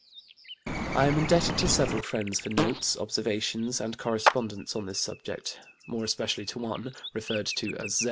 I am indebted to several friends for notes, observations, and correspondence on this subject, more especially to one, referred to as "Z.